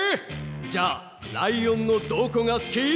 じゃあライオンのどこがすき？